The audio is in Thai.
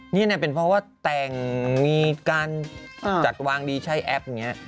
นี่นะเป็นเพราะว่าแต่งมีการจัดวางดีใช้แอปอย่างนี้